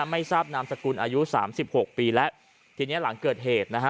ไม่ทราบนามสกุลอายุสามสิบหกปีแล้วทีเนี้ยหลังเกิดเหตุนะฮะ